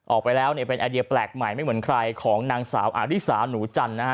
ออกไปแล้วเนี่ยเป็นไอเดียแปลกใหม่ไม่เหมือนใครของนางสาวอาริสาหนูจันทร์นะฮะ